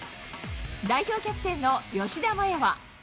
代表キャプテンの吉田麻也は。